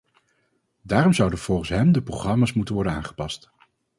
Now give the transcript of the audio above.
Daarom zouden volgens hem de programma’s moeten worden aangepast.